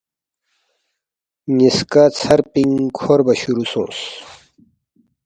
نِ٘یسکا ژھر پِنگ کھوربا شروع سونگس